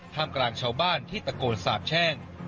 กลางชาวบ้านที่ตะโกนสาบแช่ง